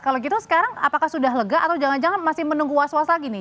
kalau gitu sekarang apakah sudah lega atau jangan jangan masih menunggu was was lagi nih